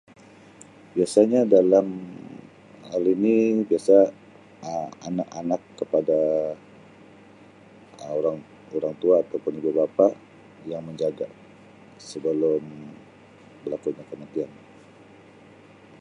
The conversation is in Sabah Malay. Biasanya dalam hal ini biasa Um anak-anak kepada orang orang tua ataupun ibu bapa yang menjaga sebelum berlakunya kematian.